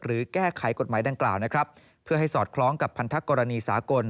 แก้ไขกฎหมายดังกล่าวนะครับเพื่อให้สอดคล้องกับพันธกรณีสากล